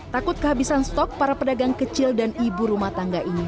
takut kehabisan stok para pedagang kecil dan ibu rumah tangga ini